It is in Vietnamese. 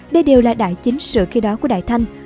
đây đều là đại chính sự khi đó của đại thanh